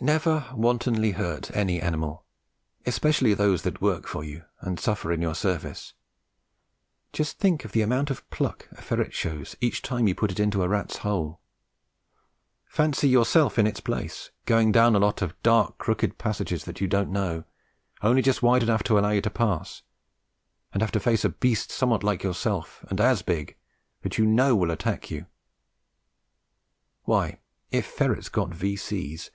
Never wantonly hurt any animal, especially those that work for you and suffer in your service. Just think of the amount of pluck a ferret shows each time you put it into a rat's hole. Fancy yourself in its place, going down a lot of dark crooked passages that you don't know, only just wide enough to allow you to pass, and have to face a beast somewhat like yourself and as big, that you know will attack you. Why, if ferrets got V.C.'